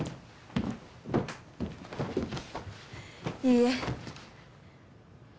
いいえ。